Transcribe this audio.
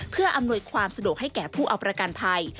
เพื่ออำนวยความสะดวกให้แก่ผู้เอาประกันภัย